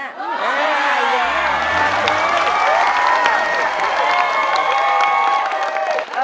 อืมใช่ใช่